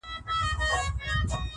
• په دې ښار کي زه حاکم یمه سلطان یم,